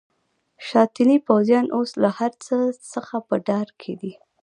شاتني پوځیان اوس له هرڅه څخه په ډار کې دي.